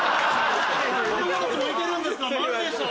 子供たちもいてるんですから「○」でしょ。